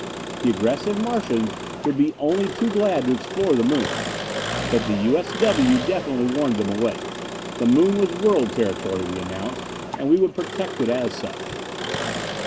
The aggressive Martians would be only too glad to explore the Moon. But the U.S.W. definitely warned them away. The Moon was World Territory, we announced, and we would protect it as such.